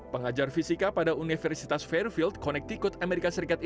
pengajar fisika pada universitas fairfield connecticut amerika